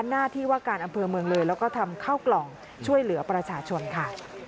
หน้าที่ว่าการอำเภอเมืองเลยแล้วก็ทำเข้ากล่องช่วยเหลือประชาชนค่ะ